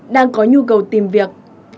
đang có nhu cầu tìm việc